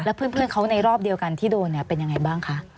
เพื่อนเขาในรอบเดียวกันที่โดนเนี่ยเป็นยังไงบ้างคะ